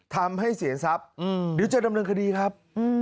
ทำให้เสียทรัพย์เดี๋ยวจะดำเนินคดีครับ